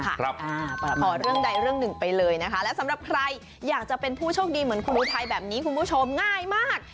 ขอเรื่องใดเรื่องหนึ่งไปเลยนะคะและสำหรับใครอยากจะเป็นผู้โชคดีเหมือนคุณอุทัยแบบนี้คุณผู้ชมง่ายมาก